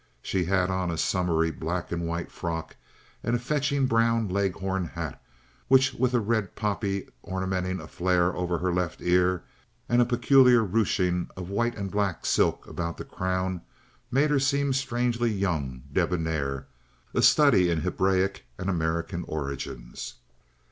She had on a summery black and white frock and a fetching brown Leghorn hat, which, with a rich red poppy ornamenting a flare over her left ear and a peculiar ruching of white and black silk about the crown, made her seem strangely young, debonair, a study in Hebraic and American origins.